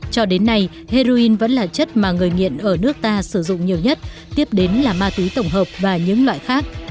cho đến nay heroin vẫn là chất mà người nghiện ở nước ta sử dụng nhiều nhất tiếp đến là ma túy tổng hợp và những loại khác